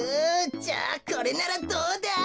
じゃあこれならどうだ？